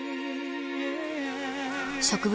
植物